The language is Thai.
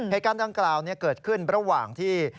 ให้การตั้งกล่าวเกิดขึ้นระหว่างที่